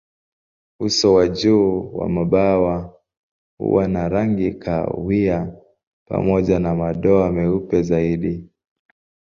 Uso wa juu wa mabawa huwa na rangi kahawia pamoja na madoa meupe zaidi.